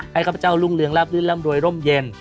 ข้าพเจ้ารุ่งเรืองลาบลื่นร่ำรวยร่มเย็น